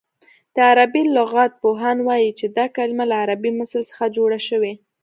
د عربي لغت پوهان وايي چې دا کلمه له عربي مثل څخه جوړه شوې